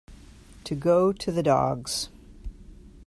To go to the dogs.